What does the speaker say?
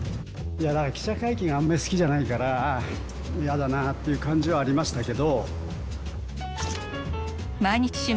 記者会見があんまり好きじゃないから嫌だなぁっていう感じはありましたけど。